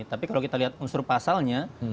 tapi kalau kita lihat unsur pasalnya